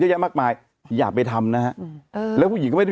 หรือแต่ไม่หลุดก็จะทุกอย่างออกไป